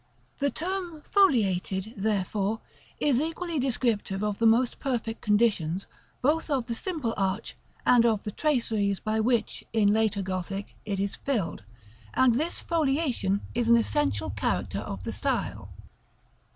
§ XCVIII. The term "foliated," therefore, is equally descriptive of the most perfect conditions both of the simple arch and of the traceries by which, in later Gothic, it is filled; and this foliation is an essential character of the style.